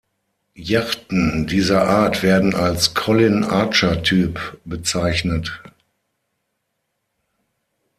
Yachten dieser Art werden als "Colin-Archer-Typ" bezeichnet.